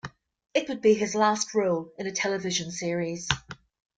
It would be his last role in a television series.